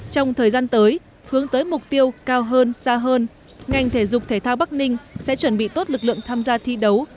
trong thời gian tới hướng tới mục tiêu cao hơn xa hơn ngành thể dục thể thao bắc ninh sẽ chuẩn bị tốt lực lượng tham gia thi đấu